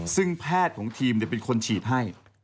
ซึ่งแพทย์ของทีมเป็นคนฉีดให้